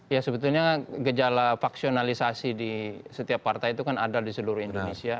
ya sebetulnya gejala faksionalisasi di setiap partai itu kan ada di seluruh indonesia